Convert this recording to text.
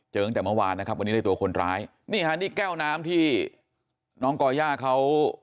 ตั้งแต่เมื่อวานนะครับวันนี้ได้ตัวคนร้ายนี่ฮะนี่แก้วน้ำที่น้องก่อย่าเขา